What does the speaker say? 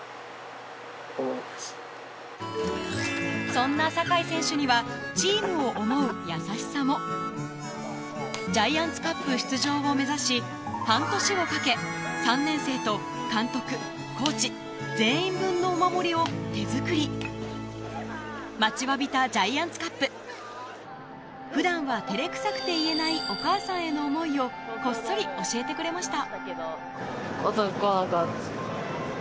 そんな坂井選手にはジャイアンツカップ出場を目指し半年をかけ３年生と監督コーチ全員分のお守りを手作り待ちわびたジャイアンツカップ普段は照れくさくて言えないをこっそり教えてくれました